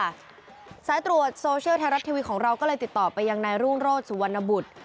เรียนนี้มากเลยค่ะสายตรวจโซเชียลแท้รัฐทีวีของเราก็เลยติดต่อไปยังในรุ่นโรจสุวรรณบุตร